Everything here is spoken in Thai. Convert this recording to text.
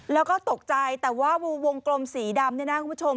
แล้วก็ตกใจแต่ว่าวงกลมสีดำเนี่ยนะคุณผู้ชม